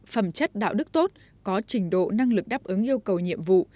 phẩm chất đạo đức tốt có trình độ năng lực đáp ứng yêu cầu nhiệm vụ